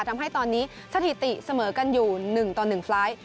ทำให้ตอนนี้สถิติเสมอกันอยู่๑ต่อ๑ไฟล์ท